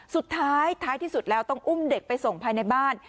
สุดท้ายท้ายที่สุดแล้วต้องอุ้มเด็กไปส่งภายในบ้าน